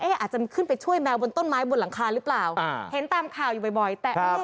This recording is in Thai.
อาจจะขึ้นไปช่วยแมวบนต้นไม้บนหลังคาหรือเปล่าเห็นตามข่าวอยู่บ่อยแต่เออ